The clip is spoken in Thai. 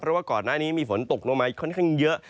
เพราะว่าก่อนหน้านี้มีฝนตกลงมาค่อนข้างเยอะ